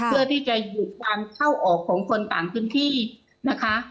เพื่อที่จะหยุดการเข้าออกของคนต่างพื้นที่นะคะ